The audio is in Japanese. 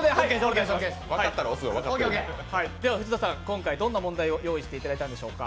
では藤田さん、今回はどんな問題を用意していただいたんでしょうか。